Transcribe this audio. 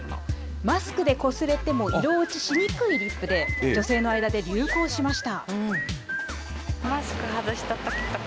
マスクでこすれても色落ちしにくいリップで、女性の間で流行しました。